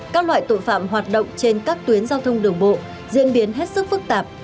các loại tội phạm hoạt động trên các tuyến giao thông đường bộ diễn biến hết sức phức tạp